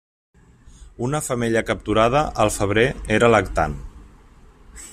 Una femella capturada al febrer era lactant.